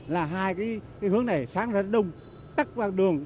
là hai cái hướng này sáng ra đông tắt vào đường